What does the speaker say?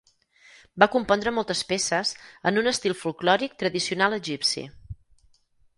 Va compondre moltes peces en un estil folklòric tradicional egipci.